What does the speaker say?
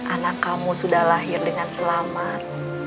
anak kamu sudah lahir dengan selamat